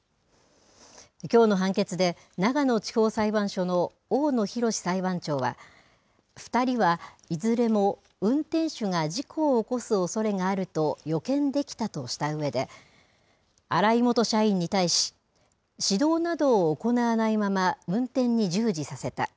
きょうの判決で長野地方裁判所の大野洋裁判長は２人は、いずれも運転手が事故を起こすおそれがあると予見できたとしたうえで荒井元社員に対し指導などを行わないまま運転に従事させた。